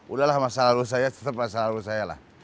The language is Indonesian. udah lah masalah lalu saya tetap masalah lalu saya lah